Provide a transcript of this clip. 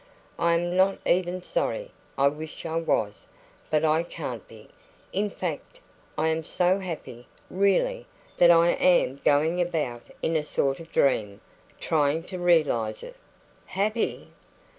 I am not even sorry I wish I was, but I can't be; in fact, I am so happy, really, that I am going about in a sort of dream, trying to realise it." "HAPPY!"